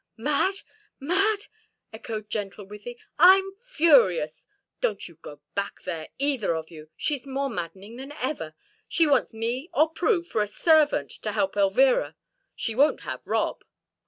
"Mad? Mad?" echoed gentle Wythie. "I'm furious! Don't you go back there, either of you. She's more maddening than ever. She wants me or Prue for a servant to help Elvira she won't have Rob."